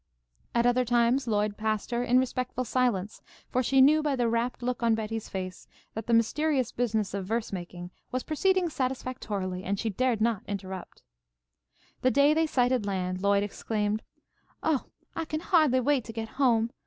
At other times Lloyd passed her in respectful silence, for she knew by the rapt look on Betty's face that the mysterious business of verse making was proceeding satisfactorily, and she dared not interrupt. The day they sighted land, Lloyd exclaimed: "Oh, I can hardly wait to get home!